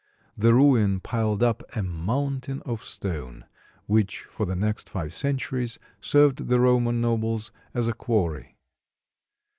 The ruin piled up a "mountain of stone," which for the next five centuries served the Roman nobles as a quarry.